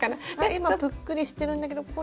今ぷっくりしてるんだけどこれを。